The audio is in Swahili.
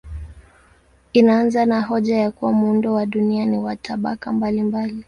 Inaanza na hoja ya kuwa muundo wa dunia ni wa tabaka mbalimbali.